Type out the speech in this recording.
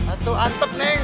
aku antep neng